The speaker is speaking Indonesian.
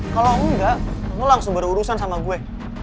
kalau enggak aku langsung berurusan sama gue